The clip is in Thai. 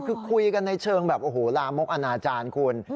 คือคุยกันในเชิงแบบโอ้โหลามกอนาจารย์คุณ